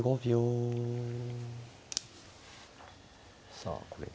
さあこれで。